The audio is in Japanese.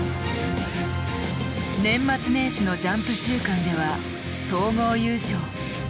年末年始の「ジャンプ週間」では総合優勝。